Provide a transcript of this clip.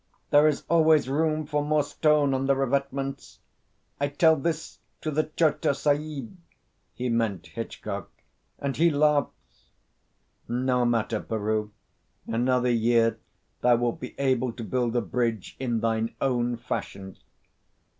There is always room for more stone on the revetments. I tell this to the Chota Sahib," he meant Hitchcock "and he laughs." "No matter, Peroo. Another year thou wilt be able to build a bridge in thine own fashion."